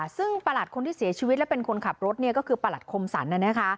ซึ่งประหลัดคนที่เสียชีวิตและเป็นคนขับรถเนี่ยก็คือประหลัดคมสรรน่ะนะคะ